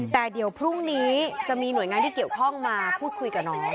แต่เดี๋ยวพรุ่งนี้จะมีหน่วยงานที่เกี่ยวข้องมาพูดคุยกับน้อง